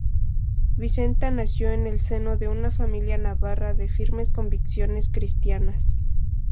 Vicenta nació en el seno de una familia navarra de firmes convicciones cristianas.